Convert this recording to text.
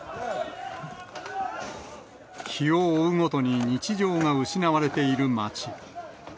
日を追うごとに日常が失われている町。